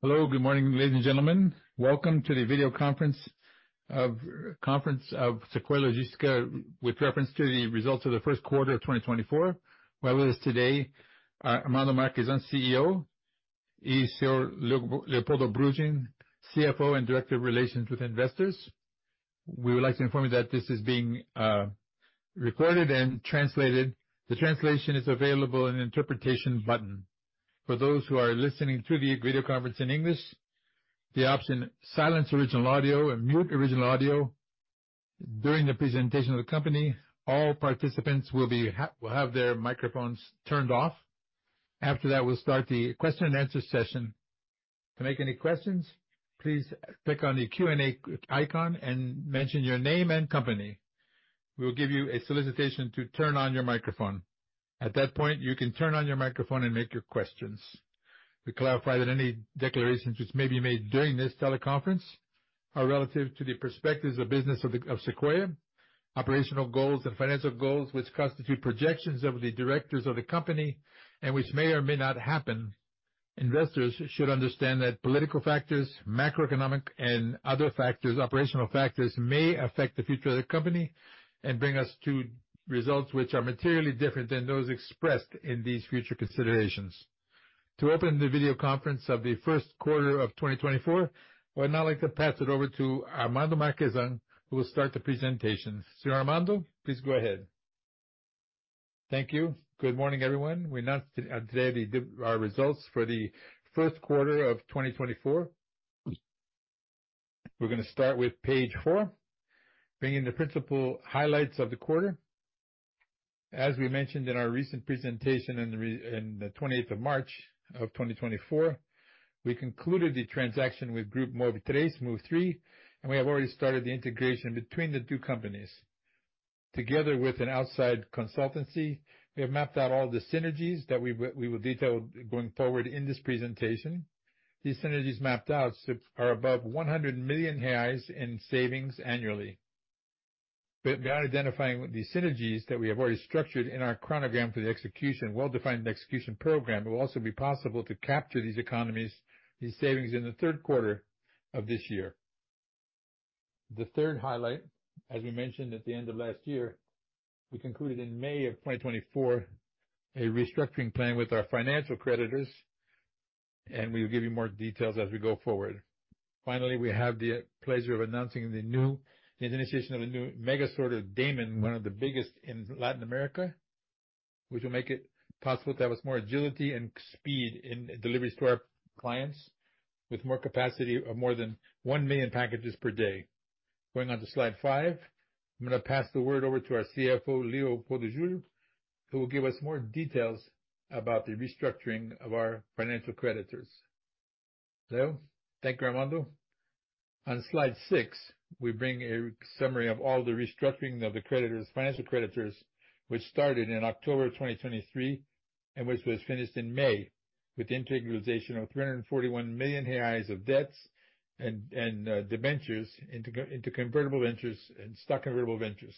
Hello, good morning, ladies and gentlemen. Welcome to the video conference of Sequoia Logística, with reference to the results of the Q1 of 2024. With us today, Armando Marchesan, CEO, and Senhor Leopoldo Bruggen, CFO and Director of Relations with Investors. We would like to inform you that this is being recorded and translated. The translation is available in the interpretation button. For those who are listening through the video conference in English, the option silence original audio and mute original audio. During the presentation of the company, all participants will have their microphones turned off. After that, we'll start the question and answer session. To make any questions, please click on the Q&A icon and mention your name and company. We will give you a solicitation to turn on your microphone. At that point, you can turn on your microphone and make your questions. We clarify that any declarations which may be made during this teleconference are relative to the perspectives of business of Sequoia, operational goals and financial goals, which constitute projections of the directors of the company, and which may or may not happen. Investors should understand that political factors, macroeconomic, and other factors, operational factors may affect the future of the company and bring us to results which are materially different than those expressed in these future considerations. To open the video conference of the Q1 of 2024, I would now like to pass it over to Armando Marchesan, who will start the presentation. Senhor Armando, please go ahead. Thank you. Good morning, everyone. We announce today our results for the Q1 of 2024. We're gonna start with page four, bringing the principal highlights of the quarter. As we mentioned in our recent presentation on the 28th of March 2024, we concluded the transaction with Grupo MOVE3, and we have already started the integration between the two companies. Together with an outside consultancy, we have mapped out all the synergies that we will detail going forward in this presentation. These synergies mapped out are above 100 million reais in savings annually. But beyond identifying the synergies that we have already structured in our chronogram for the execution, well-defined execution program, it will also be possible to capture these economies, these savings, in the Q3 of this year. The third highlight, as we mentioned at the end of last year, we concluded in May 2024, a restructuring plan with our financial creditors, and we will give you more details as we go forward. Finally, we have the pleasure of announcing the new—the initiation of a new mega sorter Damon, one of the biggest in Latin America, which will make it possible to have us more agility and speed in deliveries to our clients, with more capacity of more than 1 million packages per day. Going on to slide 5. I'm gonna pass the word over to our CFO, Leopoldo Bruggen, who will give us more details about the restructuring of our financial creditors. Leo? Thank you, Armando. On slide 6, we bring a summary of all the restructuring of the creditors, financial creditors, which started in October 2023, and which was finished in May, with the integralization of 341 million reais of debts and debentures into convertible debentures and stock convertible debentures.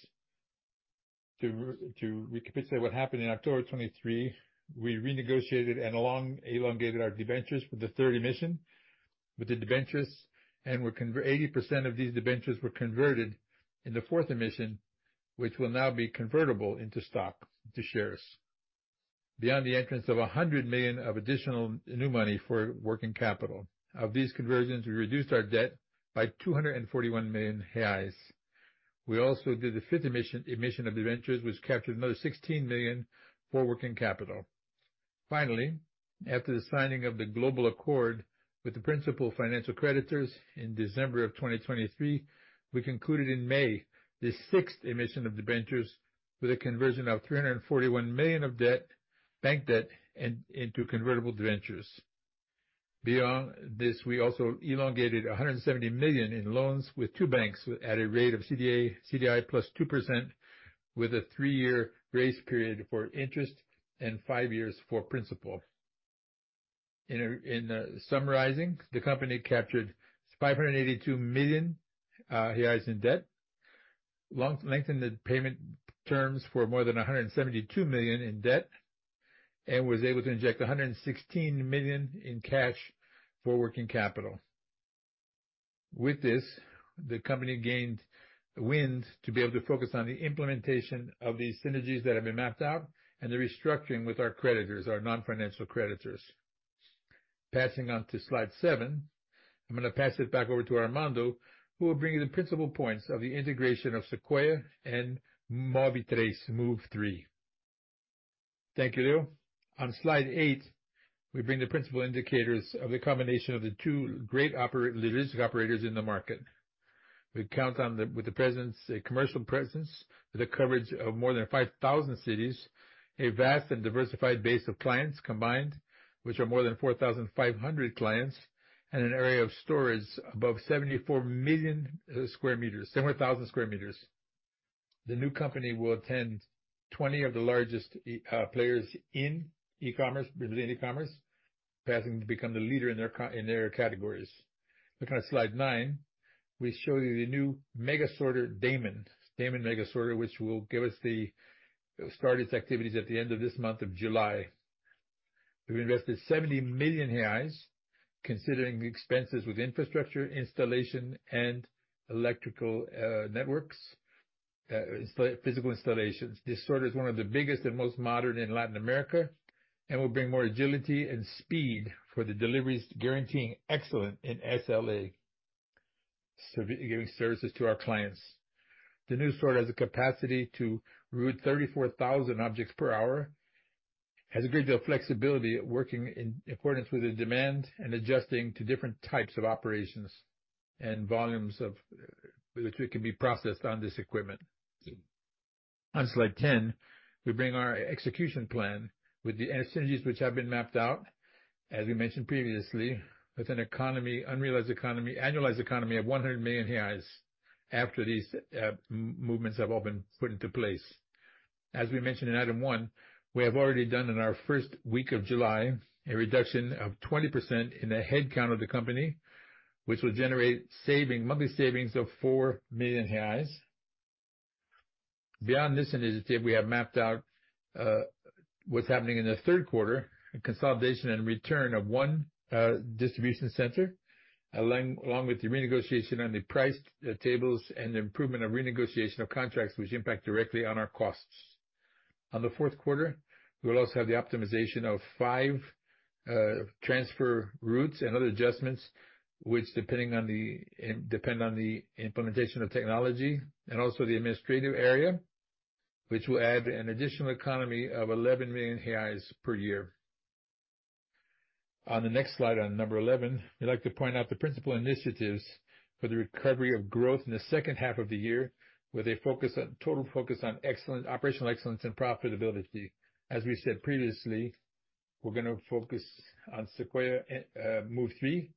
To recapitulate what happened in October 2023, we renegotiated and elongated our debentures with the third emission. With the debentures, and 80% of these debentures were converted in the fourth emission, which will now be convertible into stock to shares. Beyond the entrance of 100 million of additional new money for working capital. Of these conversions, we reduced our debt by 241 million reais. We also did a fifth emission of debentures, which captured another 16 million for working capital. Finally, after the signing of the global accord with the principal financial creditors in December 2023, we concluded in May the sixth emission of debentures with a conversion of 341 million of debt, bank debt, in into convertible debentures. Beyond this, we also elongated 170 million in loans with two banks at a rate of CDI + 2%, with a 3-year grace period for interest and 5 years for principal. In summarizing, the company captured 582 million reais in debt, lengthened payment terms for more than 172 million in debt, and was able to inject 116 million in cash for working capital. With this, the company gained wind to be able to focus on the implementation of these synergies that have been mapped out and the restructuring with our creditors, our non-financial creditors. Passing on to Slide 7. I'm gonna pass it back over to Armando, who will bring you the principal points of the integration of Sequoia and MOVE3. Thank you, Leo. On Slide 8, we bring the principal indicators of the combination of the two great logistic operators in the market. We count on the presence, a commercial presence, with a coverage of more than 5,000 cities, a vast and diversified base of clients combined, which are more than 4,500 clients, and an area of storage above 74 million square meters, similar 1,000 square meters. The new company will attend 20 of the largest players in e-commerce, Brazilian e-commerce, passing to become the leader in their categories. Looking at slide nine, we show you the new mega sorter, Damon. Damon mega sorter, which will start its activities at the end of this month of July. We've invested 70 million reais, considering the expenses with infrastructure, installation, and electrical networks, physical installations. This sorter is one of the biggest and most modern in Latin America, and will bring more agility and speed for the deliveries, guaranteeing excellent in SLA, so giving services to our clients. The new sorter has a capacity to route 34,000 objects per hour, has a great deal of flexibility working in accordance with the demand, and adjusting to different types of operations and volumes of, which can be processed on this equipment. On slide 10, we bring our execution plan with the synergies which have been mapped out, as we mentioned previously, with an annualized economy of 100 million reais after these movements have all been put into place. As we mentioned in item one, we have already done, in our first week of July, a reduction of 20% in the headcount of the company, which will generate monthly savings of 4 million reais. Beyond this initiative, we have mapped out what's happening in the Q3, a consolidation and return of 1 distribution center, along with the renegotiation on the price tables, and improvement of renegotiation of contracts which impact directly on our costs. On the Q4, we will also have the optimization of 5 transfer routes and other adjustments, which depend on the implementation of technology and also the administrative area, which will add an additional economy of 11 million reais per year. On the next slide, on number 11, we'd like to point out the principal initiatives for the recovery of growth in the second half of the year, with a total focus on operational excellence and profitability. As we said previously, we're gonna focus on Sequoia, MOVE3.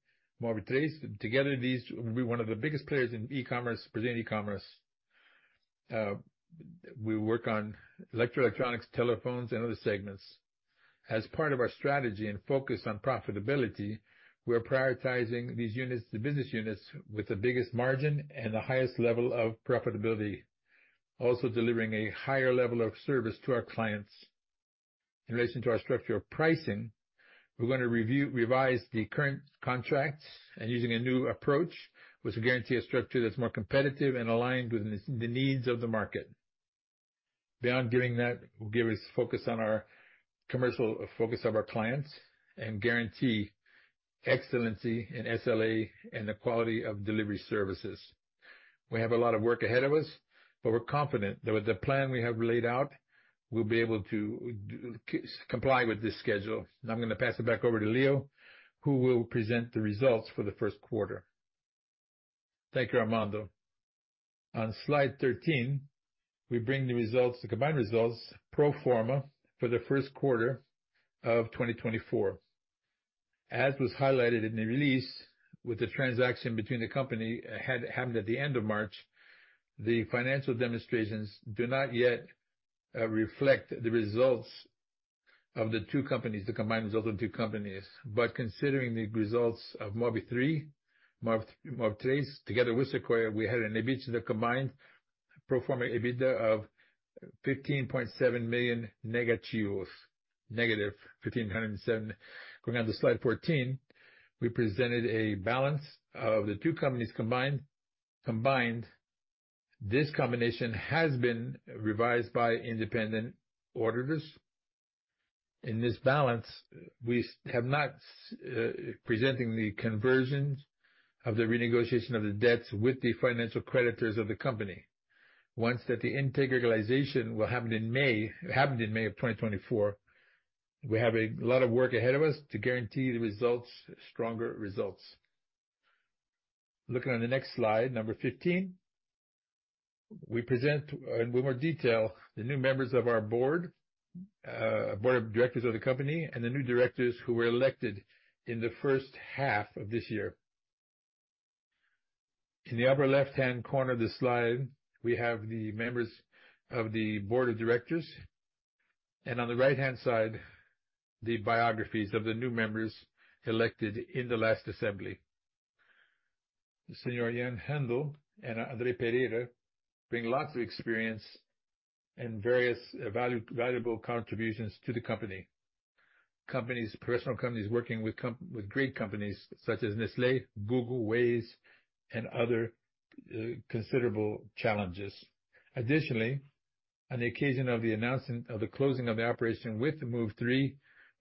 Together, these will be one of the biggest players in e-commerce, Brazilian e-commerce. We work on electronics, telephones, and other segments. As part of our strategy and focus on profitability, we are prioritizing these units, the business units, with the biggest margin and the highest level of profitability, also delivering a higher level of service to our clients. In relation to our structure of pricing, we're gonna revise the current contracts, and using a new approach, which will guarantee a structure that's more competitive and aligned with the, the needs of the market. Beyond doing that, will give us focus on our commercial, focus of our clients, and guarantee excellence in SLA and the quality of delivery services. We have a lot of work ahead of us, but we're confident that with the plan we have laid out, we'll be able to comply with this schedule. Now, I'm gonna pass it back over to Leo, who will present the results for the Q1. Thank you, Armando. On slide 13, we bring the results, the combined results, pro forma for the Q1 of 2024. As was highlighted in the release, with the transaction between the company happened at the end of March, the financial statements do not yet reflect the results of the two companies, the combined results of the two companies. But considering the results of MOVE3, MOVE3, together with Sequoia, we had an EBITDA, the combined pro forma EBITDA of -15.7 million, negative 1,507. Going on to slide 14, we presented a balance sheet of the two companies combined, combined. This combination has been revised by independent auditors. In this balance, we have not presenting the conversions of the renegotiation of the debts with the financial creditors of the company. Once that the integration will happen in May, happened in May of 2024, we have a lot of work ahead of us to guarantee the results, stronger results. Looking on the next slide, number 15, we present with more detail, the new members of our board, board of directors of the company, and the new directors who were elected in the first half of this year. In the upper left-hand corner of the slide, we have the members of the board of directors, and on the right-hand side, the biographies of the new members elected in the last assembly. Senhor Ian Charles Bird and Andre Pereira bring lots of experience and various valuable contributions to the company. Companies, professional companies working with with great companies such as Nestlé, Google, Waze, and other considerable challenges. Additionally, on the occasion of the announcement of the closing of the operation with the MOVE3,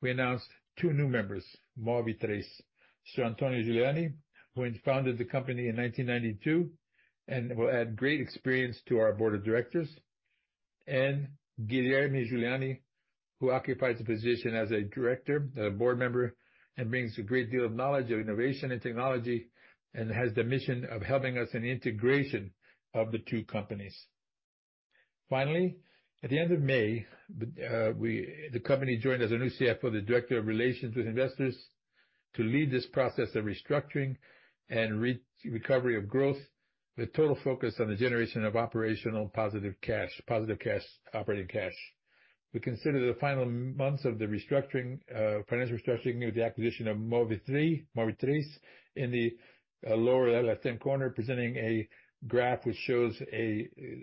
we announced two new members, MOVE3. Antonio Juliani, who founded the company in 1992, and will add great experience to our board of directors. And Guilherme Juliani, who occupies a position as a director, a board member, and brings a great deal of knowledge of innovation and technology, and has the mission of helping us in integration of the two companies. Finally, at the end of May, the company joined as a new CFO, the Director of Relations with Investors, to lead this process of restructuring and recovery of growth. With total focus on the generation of operational positive cash, positive cash, operating cash. We consider the final months of the restructuring, financial restructuring with the acquisition of MOVE3, MOVE3. In the lower left-hand corner, presenting a graph which shows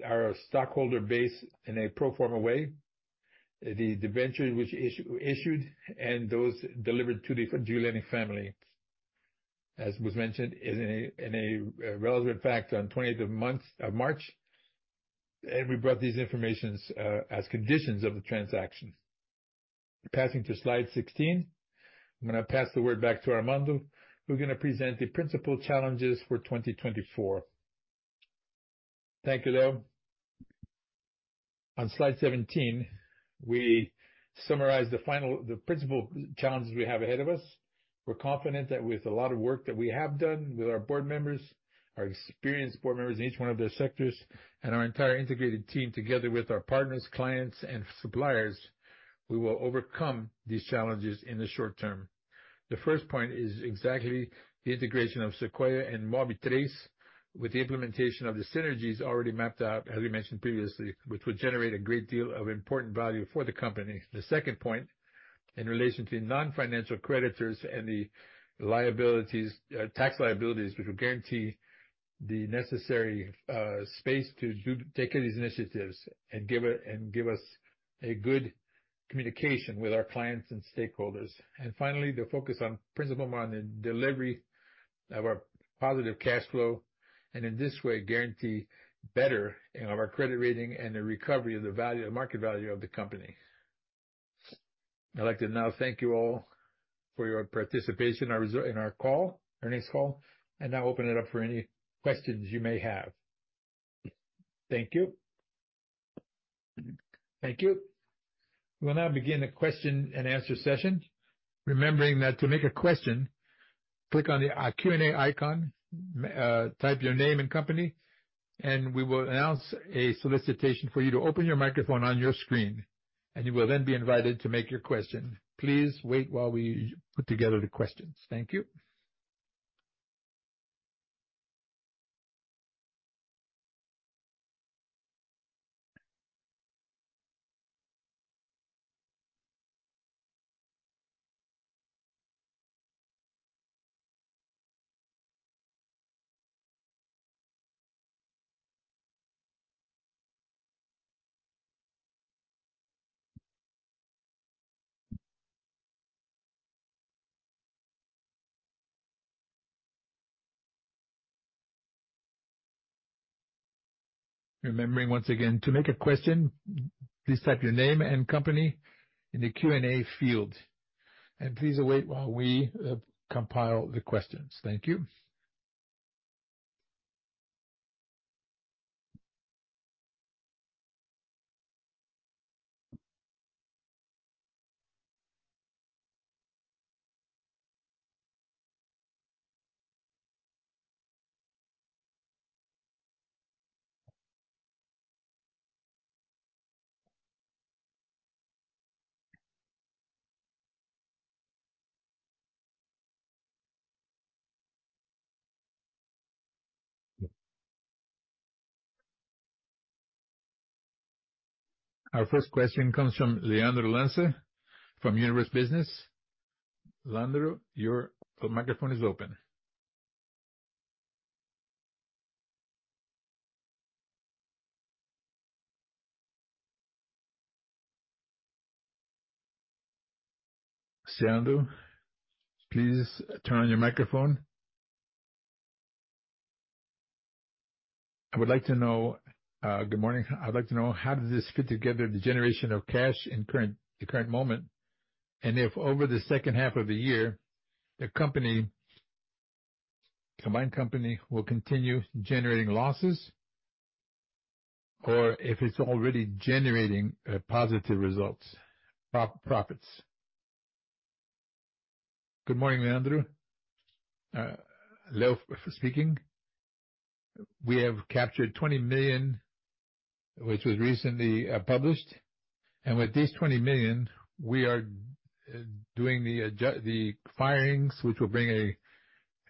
our stockholder base in a pro forma way. The debenture which is issued, and those delivered to the Juliani family, as was mentioned, is in a relevant fact on the 20th of the month of March. And we brought these informations as conditions of the transaction. Passing to slide 16. I'm gonna pass the word back to Armando, who's gonna present the principal challenges for 2024. Thank you, Leo. On slide 17, we summarize the final—the principal challenges we have ahead of us. We're confident that with a lot of work that we have done with our board members, our experienced board members in each one of their sectors, and our entire integrated team, together with our partners, clients, and suppliers, we will overcome these challenges in the short term. The first point is exactly the integration of Sequoia and MOVE3, with the implementation of the synergies already mapped out, as we mentioned previously, which would generate a great deal of important value for the company. The second point, in relation to non-financial creditors and the liabilities, tax liabilities, which will guarantee the necessary space to take care of these initiatives and give us a good communication with our clients and stakeholders. Finally, the focus on principle, on the delivery of our positive cashflow, and in this way guarantee better of our credit rating and the recovery of the value, the market value of the company. I'd like to now thank you all for your participation in our call, earnings call, and now open it up for any questions you may have. Thank you. Thank you. We'll now begin the question and answer session. Remembering that to make a question, click on the Q&A icon, type your name and company, and we will announce a solicitation for you to open your microphone on your screen, and you will then be invited to make your question. Please wait while we put together the questions. Thank you. Remembering once again, to make a question, please type your name and company in the Q&A field, and please await while we compile the questions. Thank you. Our first question comes from Leandro Lanza, from Universo Business. Leandro, your microphone is open. Leandro, please turn on your microphone. I would like to know. Good morning. I'd like to know: How does this fit together, the generation of cash in the current moment? And if over the second half of the year, the combined company will continue generating losses, or if it's already generating positive results, profits? Good morning, Leandro. Leo speaking. We have captured 20 million, which was recently published, and with this 20 million, we are doing the firings, which will bring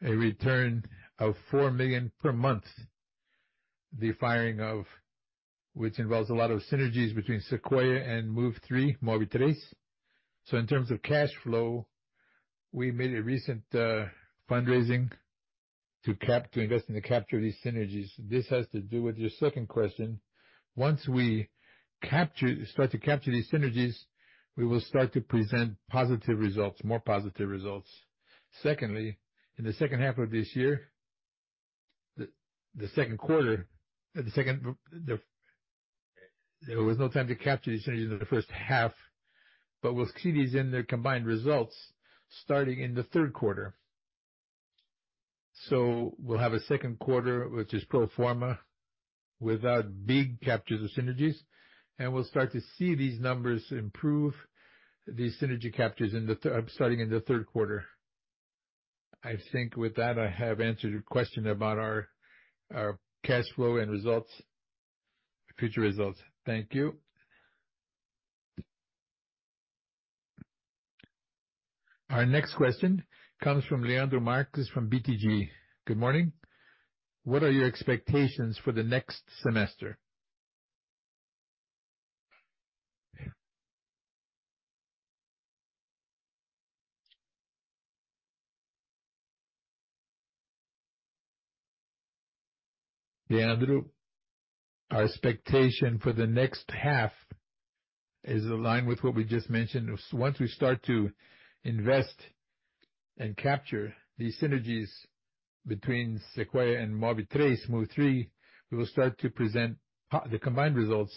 a return of 4 million per month. The firing of, which involves a lot of synergies between Sequoia and MOVE3, MOVE3. So in terms of cash flow, we made a recent fundraising to invest in the capture of these synergies. This has to do with your second question. Once we start to capture these synergies, we will start to present positive results, more positive results. Secondly, in the second half of this year, the second quarter. There was no time to capture these synergies in the first half, but we'll see these in their combined results starting in the third quarter. So we'll have a Q2, which is pro forma, without big capture of synergies, and we'll start to see these numbers improve, these synergy captures starting in the third quarter. I think with that, I have answered your question about our cash flow and results, future results. Thank you. Our next question comes from Lucas Marquiori from BTG. Good morning. What are your expectations for the next semester? Leandro, our expectation for the next half is aligned with what we just mentioned. Once we start to invest and capture these synergies between Sequoia and MOVE3, we will start to present the combined results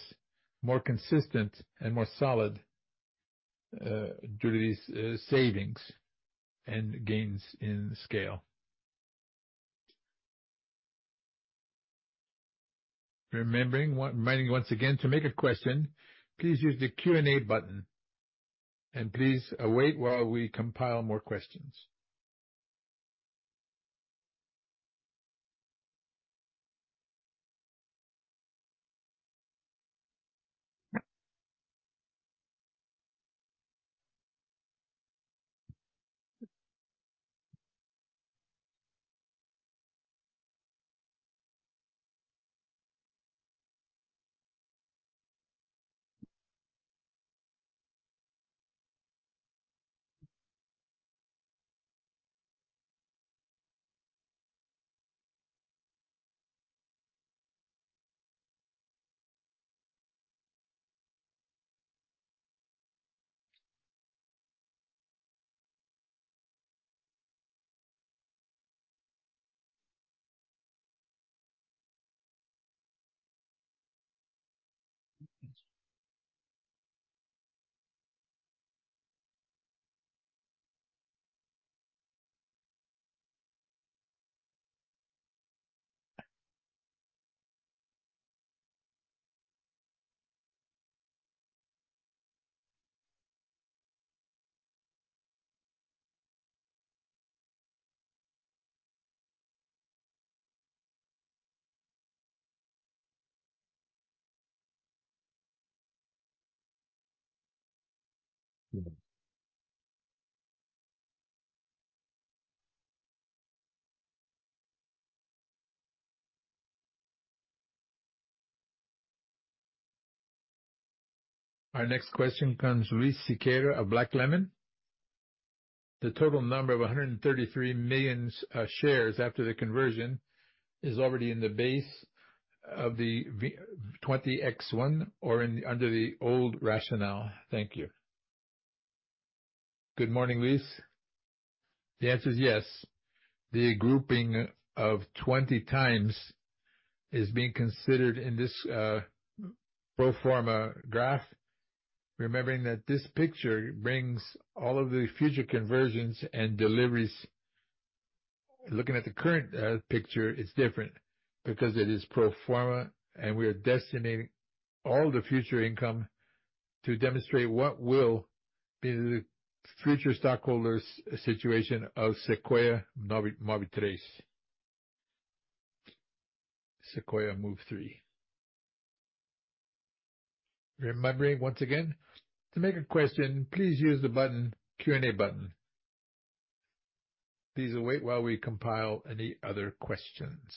more consistent and more solid due to these savings and gains in scale. Reminding you once again, to make a question, please use the Q&A button, and please await while we compile more questions. Our next question comes from Luiz Siqueira of Leblon Equities. The total number of 133 million shares after the conversion is already in the base of the 20x1, or under the old rationale. Thank you. Good morning, Luis. The answer is yes. The grouping of 20 times is being considered in this pro forma graph. Remembering that this picture brings all of the future conversions and deliveries. Looking at the current picture, it's different because it is pro forma, and we are designating all the future income to demonstrate what will be the future stockholders situation of Sequoia MOVE3. Sequoia Move Three. Remembering once again, to make a question, please use the button, Q&A button. Please await while we compile any other questions.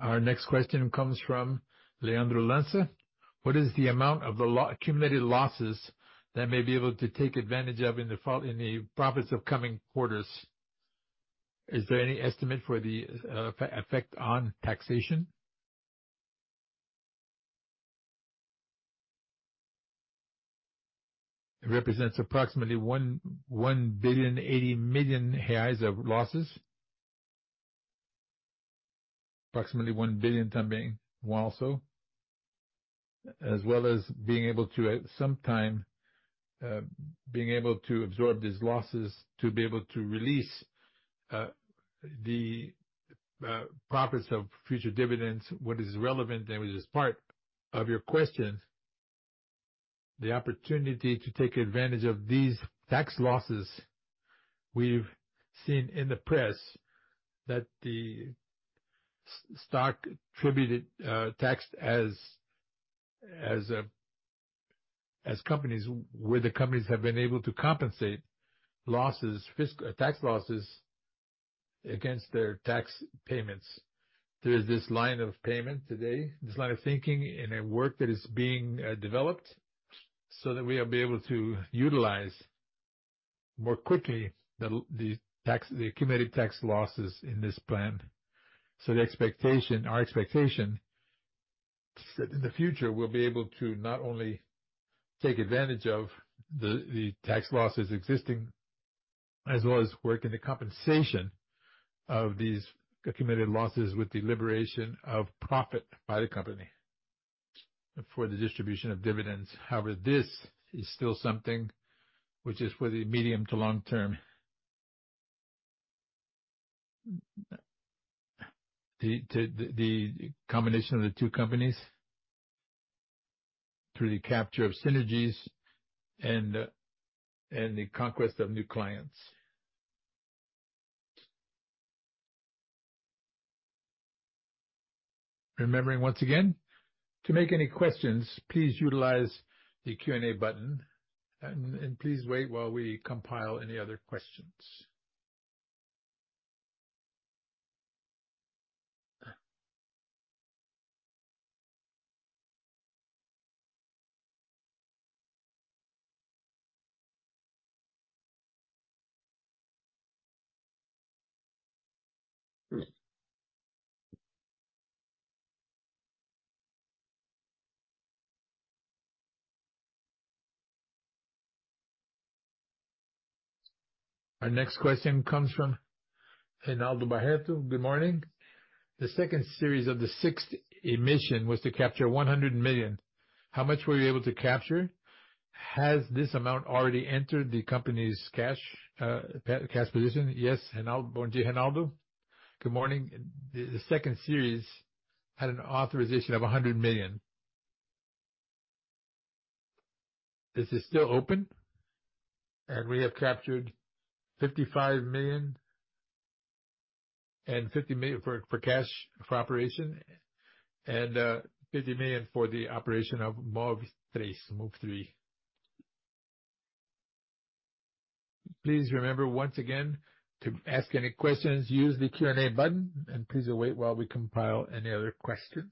Our next question comes from Leandro Lanza. What is the amount of the accumulated losses that may be able to take advantage of in the profits of coming quarters? Is there any estimate for the effect on taxation? It represents approximately 1.08 billion of losses. Approximately 1 billion também also, as well as being able to, at some time, being able to absorb these losses to be able to release the profits of future dividends. What is relevant, and which is part of your question, the opportunity to take advantage of these tax losses. We've seen in the press that the tax attributes of companies, where the companies have been able to compensate losses, fiscal tax losses against their tax payments. There is this line of payment today, this line of thinking in a work that is being developed, so that we are be able to utilize more quickly than the tax, the accumulated tax losses in this plan. So the expectation, our expectation, is that in the future, we'll be able to not only take advantage of the, the tax losses existing, as well as work in the compensation of these accumulated losses with the liberation of profit by the company for the distribution of dividends. However, this is still something which is for the medium to long term. The, the, the combination of the two companies through the capture of synergies and, and the conquest of new clients. Remembering once again, to make any questions, please utilize the Q&A button, and, and please wait while we compile any other questions. Our next question comes from Reinaldo Barreto. Good morning. The second series of the sixth emission was to capture 100 million. How much were you able to capture? Has this amount already entered the company's cash position? Yes, Reinaldo. Bon dia, Reinaldo. Good morning. The second series had an authorization of 100 million. This is still open, and we have captured 55 million and 50 million for cash, for operation, and 50 million for the operation of MOVE3. Please remember once again, to ask any questions, use the Q&A button, and please await while we compile any other questions.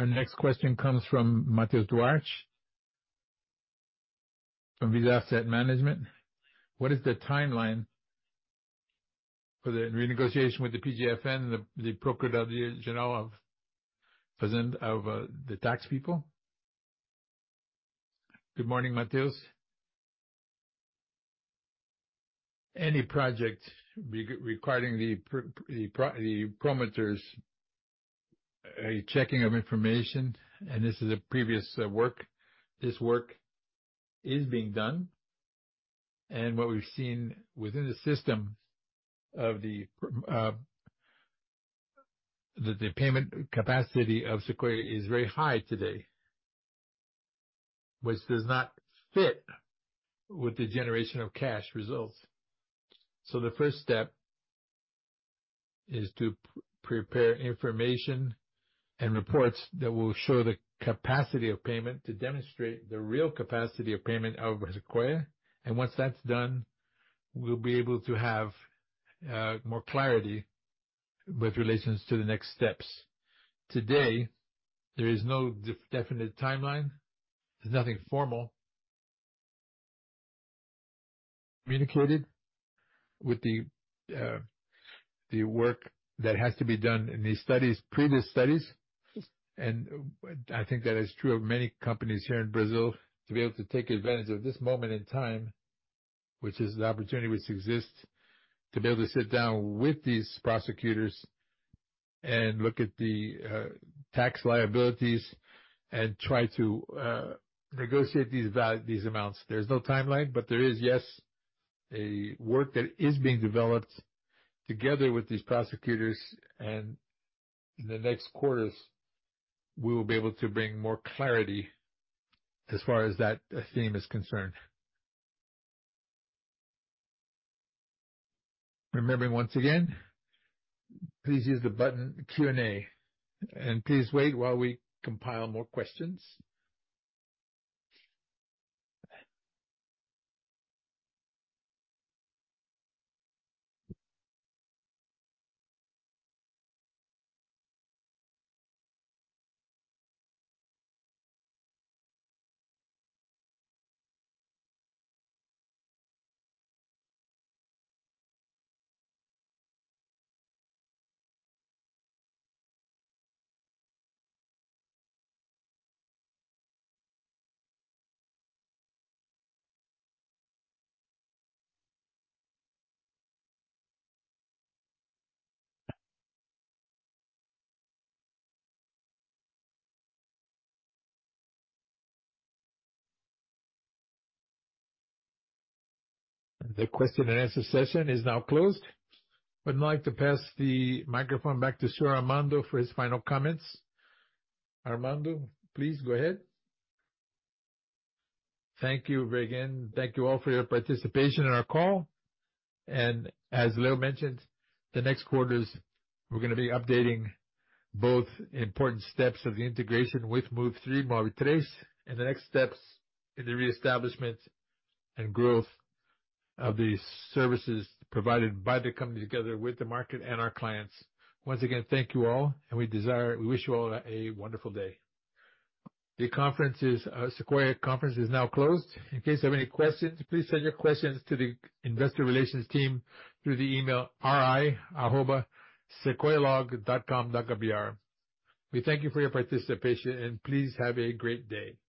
Our next question comes from Mateus Duarte, from Vista Asset Management. What is the timeline for the renegotiation with the PGFN, the Procuradoria-Geral da Fazenda Nacional, the tax people? Good morning, Matheus. Any project requiring the promoters, a checking of information, and this is a previous work. This work is being done. And what we've seen within the system of the promoters, that the payment capacity of Sequoia is very high today, which does not fit with the generation of cash results. So the first step is to prepare information and reports that will show the capacity of payment, to demonstrate the real capacity of payment of Sequoia. And once that's done, we'll be able to have more clarity in relation to the next steps. Today, there is no definite timeline. There's nothing formal communicated with the work that has to be done in these studies, previous studies, and I think that is true of many companies here in Brazil, to be able to take advantage of this moment in time, which is the opportunity which exists, to be able to sit down with these prosecutors and look at the tax liabilities and try to negotiate these amounts. There's no timeline, but there is, yes, a work that is being developed together with these prosecutors, and in the next quarters, we will be able to bring more clarity as far as that theme is concerned. Remembering once again, please use the button Q&A, and please wait while we compile more questions. The question and answer session is now closed. I'd like to pass the microphone back to Senhor Armando for his final comments. Armando, please go ahead. Thank you again. Thank you all for your participation in our call. As Leo mentioned, the next quarters, we're gonna be updating both important steps of the integration with Move3, Move3, and the next steps in the reestablishment and growth of the services provided by the company, together with the market and our clients. Once again, thank you all, and we wish you all a wonderful day. Sequoia conference is now closed. In case you have any questions, please send your questions to the investor relations team through the email, ri@sequoialog.com.br. We thank you for your participation, and please have a great day.